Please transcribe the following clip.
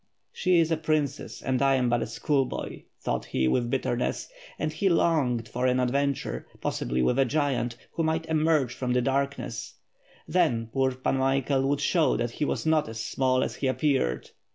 She is a princess, and I am but a school boy, thought he with bitterness, and he longed for an ad venture, possibly with a giant, who might emerge from the darkness; then poor Pan Michael would show that he was not as small as he appeared.